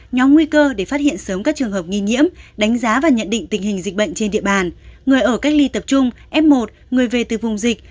nhóm nguy cơ để phát hiện sớm các trường hợp nghi nhiễm đánh giá và nhận định tình hình dịch bệnh trên địa bàn người ở cách ly tập trung f một người về từ vùng dịch